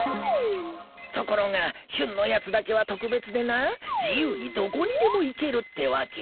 ところがヒュンのやつだけは特別でな自由にどこにでも行けるってわけよ。